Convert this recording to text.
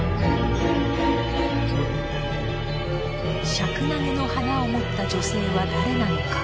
シャクナゲの花を持った女性は誰なのか？